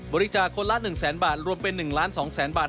บริจาคนละ๑๐๐๐๐๐บาทรวมเป็น๑๒๐๐๐๐๐บาท